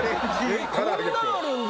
「えっこんなんあるんだ！」